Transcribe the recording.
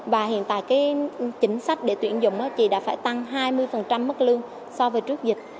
và hiện tại cái chính sách để tuyển dụng thì đã phải tăng hai mươi mức lương so với trước dịch